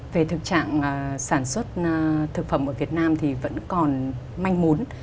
về thực trạng sản xuất thực phẩm ở việt nam thì vẫn còn manh muốn